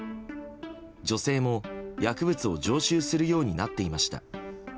女性も薬物を常習するようになっていました。